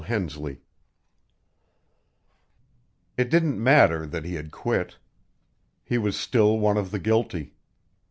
Hensley_ It didn't matter that he had quit. He was still one of the guilty.